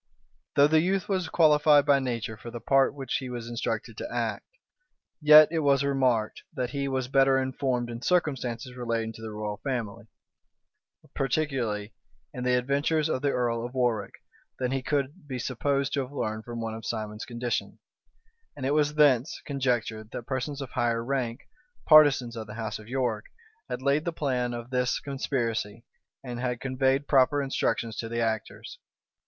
[*] Though the youth was qualified by nature for the part which he was instructed to act, yet was it remarked, that he was better informed in circumstances relating to the royal family, particularly in the adventures of the earl of Warwick, than he could be supposed to have learned from one of Simon's condition: and it was thence conjectured, that persons of higher rank, partisans of the house of York, had laid the plan of this conspiracy, and had conveyed proper instructions to the actors.